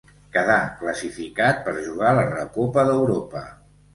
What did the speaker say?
Quedà classificat per jugar la Recopa d'Europa.